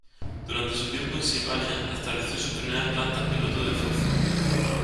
Durante su tiempo en Sylvania, estableció sus primeras plantas piloto de fósforo.